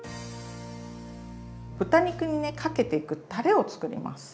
豚肉にねかけていくたれを作ります。